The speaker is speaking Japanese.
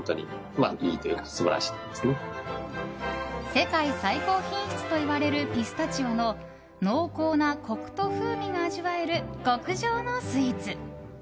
世界最高品質といわれるピスタチオの濃厚なコクと風味が味わえる極上のスイーツ。